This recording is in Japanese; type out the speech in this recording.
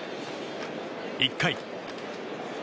１回。